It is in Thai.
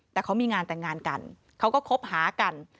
แต่เขามีงานแต่งงานกันเขาก็คบหากัน